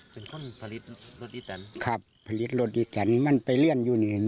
เป็นคนฝรีบรถดีดกันครับผลิตรถดีกันนี่มันไปเลี่ยนอยู่นี่